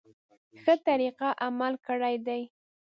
ښه طریقه عمل کړی دی.